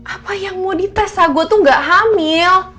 apa yang mau dites sa gue tuh nggak hamil